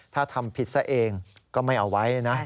ถ้าทำผิดซะเองก็ไม่เอาไว้นะ